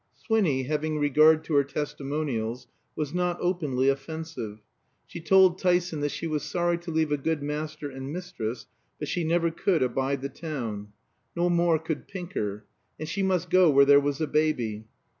Swinny, having regard to her testimonials, was not openly offensive. She told Tyson that she was sorry to leave a good master and mistress, but she never could abide the town. No more could Pinker. And she must go where there was a baby.